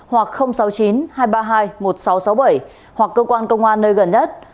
hoặc sáu mươi chín hai trăm ba mươi hai một nghìn sáu trăm sáu mươi bảy hoặc cơ quan công an nơi gần nhất